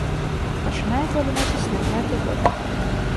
Пачынае пладаносіць на пяты год.